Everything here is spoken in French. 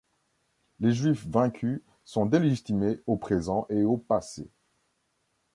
Les Juifs vaincus sont délégitimés au présent et au passé.